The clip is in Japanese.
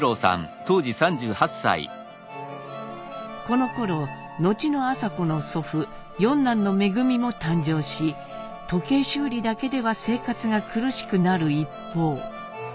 このころ後の麻子の祖父四男の恩も誕生し時計修理だけでは生活が苦しくなる一方。